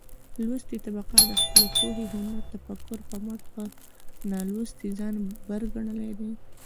لوستې طبقه د خپلې پوهې، هنر ،تفکر په مټ پر نالوستې ځان بر ګنلى دى.